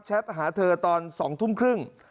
หาเธอตอน๒ทุ่มครึ่ง